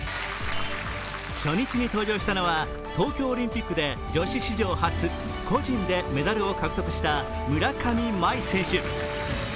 初日に登場したのは、東京オリンピックで女子史上初、個人でメダルを獲得した村上茉愛選手。